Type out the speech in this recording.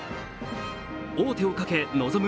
王手をかけ臨む